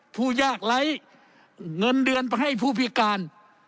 ผู้ยากไร้เงินเดือนไปให้ผู้พิการ